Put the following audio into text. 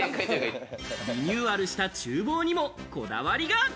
リニューアルした厨房にもこだわりが。